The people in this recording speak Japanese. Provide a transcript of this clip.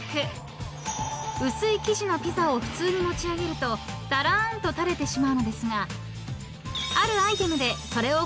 ［薄い生地のピザを普通に持ち上げるとたらーんと垂れてしまうのですが］